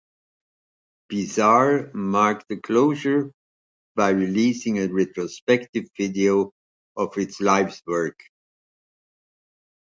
Bizarre marked the closure by releasing a retrospective video of its life's work.